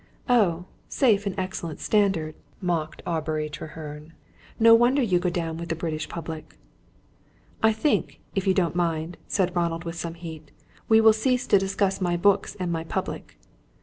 "Oh, safe and excellent standard!" mocked Aubrey Treherne. "No wonder you go down with the British public." "I think, if you don't mind," said Ronald, with some heat, "we will cease to discuss my books and my public."